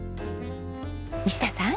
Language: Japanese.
西田さん！